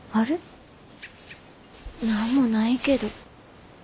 何もないけど。